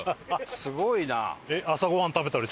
すごいな。